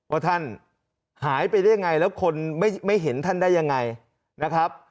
ว่าท่านหายไปได้ยังไงแล้วคนไม่เห็นท่านได้ยังไงนะครับ